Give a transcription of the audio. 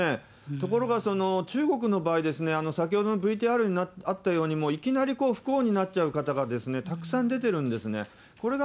ところが中国の場合ですね、先ほどのＶＴＲにあったように、いきなり不幸になっちゃう方がたくさん出ているんですね。